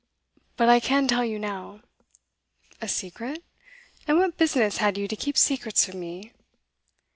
'But I can tell you now.' 'A secret? And what business had you to keep secrets from me?